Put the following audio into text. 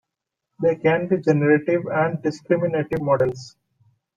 They can be Generative and Discriminative models.